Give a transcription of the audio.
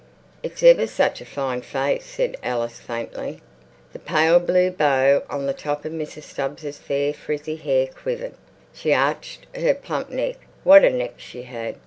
"It's ever such a fine face," said Alice faintly. The pale blue bow on the top of Mrs. Stubbs's fair frizzy hair quivered. She arched her plump neck. What a neck she had!